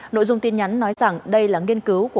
nội dung tin nhắn nói rằng đây là nghiên cứu của